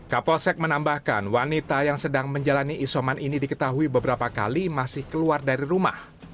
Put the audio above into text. kapolsek menambahkan wanita yang sedang menjalani isoman ini diketahui beberapa kali masih keluar dari rumah